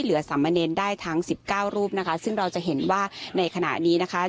เหลือสำเนินได้ทั้ง๑๙รูปนะคะซึ่งเราจะเห็นว่าในขณะนี้นะคะ